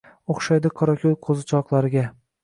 O’xshaydi qorako’l qo’zichoqlarga —